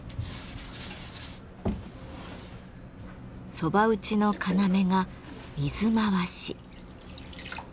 蕎麦打ちの要が「水回し」。